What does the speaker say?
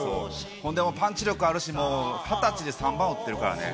ほんでもパンチ力あるし、２０歳で３番打ってるからね。